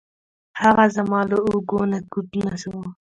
هغه زما له اوږو نه کوز نه شو.